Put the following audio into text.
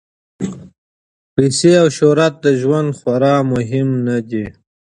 پیسې او شهرت د ژوند خورا مهم نه دي.